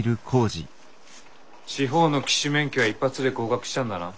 地方の騎手免許は一発で合格したんだな？